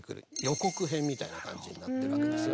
予告編みたいな感じになってるわけですよね。